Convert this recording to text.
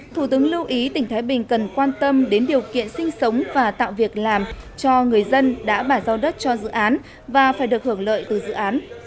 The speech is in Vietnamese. thủ tướng lưu ý tỉnh thái bình cần quan tâm đến điều kiện sinh sống và tạo việc làm cho người dân đã bản giao đất cho dự án và phải được hưởng lợi từ dự án